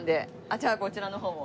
じゃあこちらの方も。